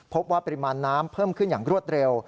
พบว่าปริมาณน้ำเพิ่มขึ้นอย่างรวดเร็ว